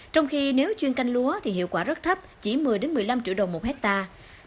trong khi nếu chuyên canh lúa thì hiệu quả rất thấp chỉ một mươi một mươi năm triệu đồng một hectare